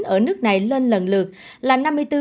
ở nước này lên lần lượt là